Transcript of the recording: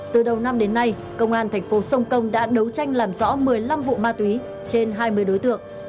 từ đầu năm đến nay công an thành phố sông công đã đấu tranh làm rõ một mươi năm vụ ma túy trên hai mươi đối tượng